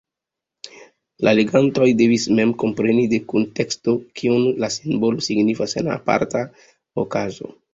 La legantoj devis mem kompreni de kunteksto, kion la simbolo signifas en aparta okazo.